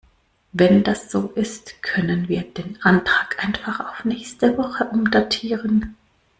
Wenn das so ist, können wir den Antrag einfach auf nächste Woche umdatieren.